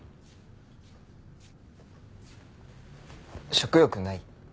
食欲ない？